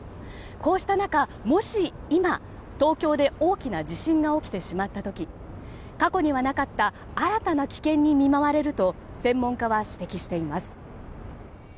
こうした中もし今、東京で大きな地震が起きてしまった時過去にはなかった新たな危険に見舞われると専門家は指摘しています。